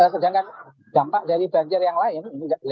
sedangkan dampak dari banjir yang lain